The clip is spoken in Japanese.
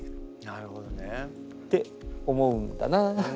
なるほどね。って思うんだなあ。